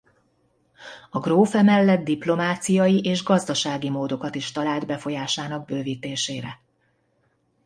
A gróf emellett diplomáciai és gazdasági módokat is talált befolyásának bővítésére.